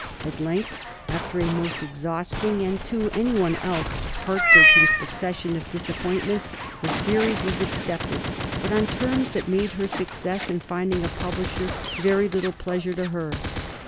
At length, after a most exhausting and, to any one else, heart breaking succession of disappointments, her series was accepted, but on terms that made her success in finding a publisher very little pleasure to her.